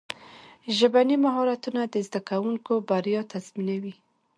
ژبني مهارتونه د زدهکوونکو بریا تضمینوي.